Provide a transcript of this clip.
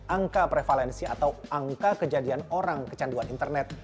angka prevalensi atau angka kejadian orang kecanduan internet